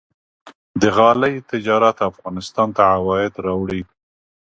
د غالۍ تجارت افغانستان ته عواید راوړي.